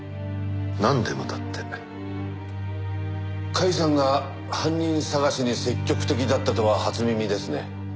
甲斐さんが犯人捜しに積極的だったとは初耳ですね。